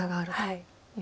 はい。